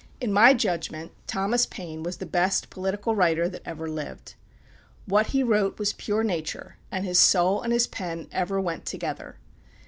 In my judgment Thomas Paine was the best political writer that ever lived. "What he wrote was pure nature, and his soul and his pen ever went together."